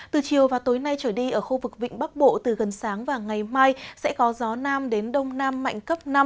từ chiều và tối nay trở đi ở khu vực vịnh bắc bộ từ gần sáng và ngày mai sẽ có gió nam đến đông nam mạnh cấp năm